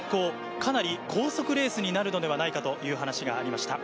かなり高速レースになるのではないかという話がありました。